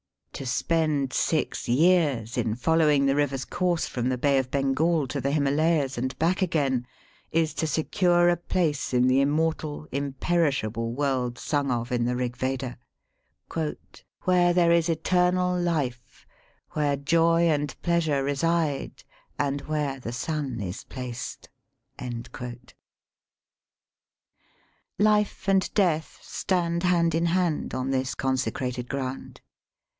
To spend six years in following the river's course from the Bay of Bengal to the Hima layas and hack again is to secure a place in the immortal, imperishable world sung of in the Eig Veda, "where there is eternal life, where joy and pleasure reside, and where the sun is placed." Life and death stand hand in hand on this consecrated ground.